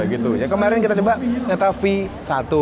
yang kemarin kita coba netafee satu